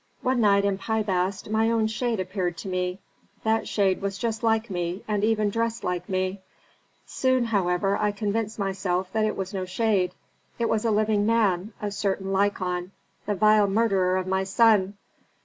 One night in Pi Bast my own shade appeared to me. That shade was just like me, and even dressed like me. Soon, however, I convinced myself that it was no shade. It was a living man, a certain Lykon, the vile murderer of my son.